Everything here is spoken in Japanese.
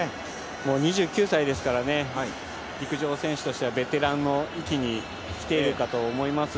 ２９歳ですからね、陸上選手としてはベテランの域に来ているかと思います。